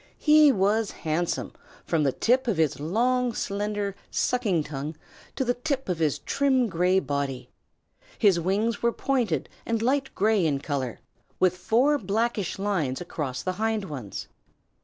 He was handsome from the tip of his long, slender sucking tongue to the tip of his trim, gray body. His wings were pointed and light gray in color, with four blackish lines across the hind ones.